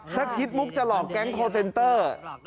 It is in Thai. ถ้าคิดมุกจะหลอกแก๊งคอร์เซนเตอร์